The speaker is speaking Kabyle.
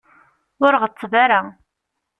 Ur ɣetteb ara.